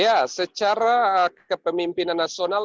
ya secara kepemimpinan nasional